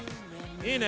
いいね！